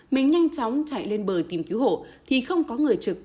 mình nhanh chóng chạy lên bờ tìm kiếm cứu hộ thì không có người trực